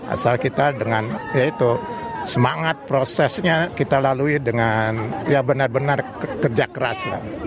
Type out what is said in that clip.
asal kita dengan semangat prosesnya kita lalui dengan benar benar kerja keras